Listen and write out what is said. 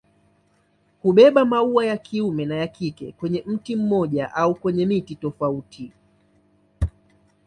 Hubeba maua ya kiume na ya kike kwenye mti mmoja au kwenye miti tofauti.